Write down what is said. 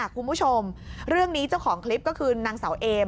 คุณผู้ชมเรื่องนี้เจ้าของคลิปก็คือนางเสาเอม